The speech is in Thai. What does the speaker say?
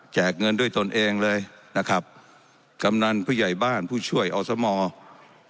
เงินด้วยตนเองเลยนะครับกำนันผู้ใหญ่บ้านผู้ช่วยอสมอร์